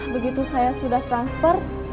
begitu saya sudah transfer